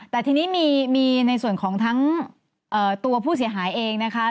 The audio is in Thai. แต่ทีนี้มีในส่วนของทั้งตัวผู้เสียหายเองนะคะ